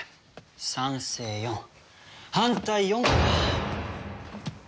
賛成４反対４か。